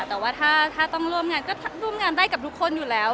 แต่ว่าถ้าต้องร่วมงานก็ร่วมงานได้กับทุกคนอยู่แล้ว